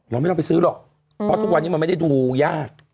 เราไม่ต้องไปซื้อหรอกเพราะทุกวันนี้มันไม่ได้ดูยาก